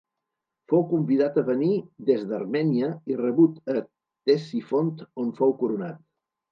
Fou convidat a venir des d'Armènia i rebut a Ctesifont on fou coronat.